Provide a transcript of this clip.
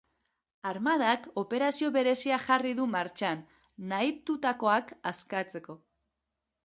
Armadak operazio berezia jarri du martxan nahitutakoak askatzeko.